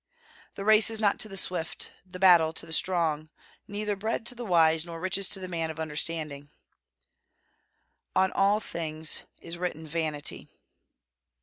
The race is not to the swift, the battle to the strong; neither bread to the wise, nor riches to the man of understanding.... On all things is written vanity."